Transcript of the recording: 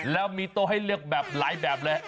แล้วมีโต๊ะให้เลือกแบบหลายแบบเลย